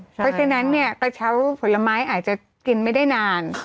เพราะฉะนั้นเนี่ยกระเช้าผลไม้อาจจะกินไม่ได้นาน